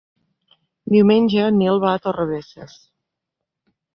Diumenge en Nil va a Torrebesses.